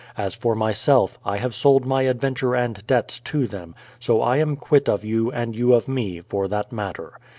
... As for my self, I have sold my adventure and debts to them, so I am quit o£ you, and j ou of me, for that matter.